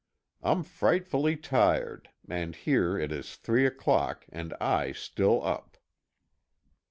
I'm frightfully tired, and here it is three o'clock and I still up.